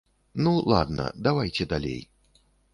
Ну, ладна, давайце далей.